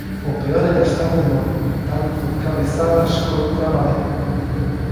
O peor era estar de mono, dando cabezadas contra a parede.